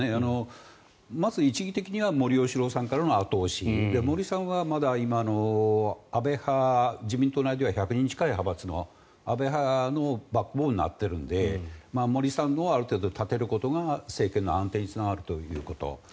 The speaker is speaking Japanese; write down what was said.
まず一義的には森喜朗さんからの後押し森さんは安倍派、自民党内では１００人近い派閥の安倍派の抜本になっているので森さんをある程度、立てることが政権の安定につながるということ。